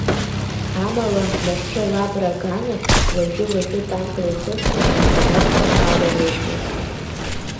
Амала, нахьхьи Лабра аганахь, уажәы-уажәы танкла ихысны аснариадқәа аларыжьуеит.